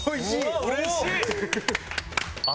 うれしい！